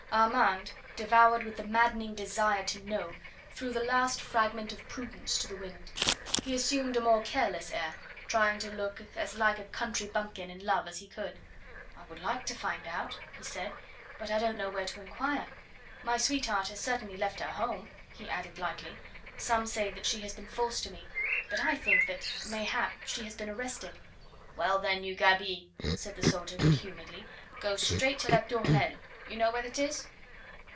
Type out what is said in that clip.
Armand, devoured with the maddening desire to know, threw the last fragment of prudence to the wind. He assumed a more careless air, trying to look as like a country bumpkin in love as he could. "I would like to find out," he said, "but I don't know where to inquire. My sweetheart has certainly left her home," he added lightly; "some say that she has been false to me, but I think that, mayhap, she has been arrested." "Well, then, you gaby," said the soldier good humouredly, "go straight to La Tournelle; you know where it is?"